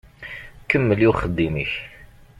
Kemmel i uxeddim-ik.